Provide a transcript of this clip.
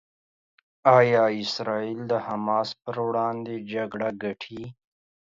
ایا اسرائیل د حماس پر وړاندې جګړه ګټي؟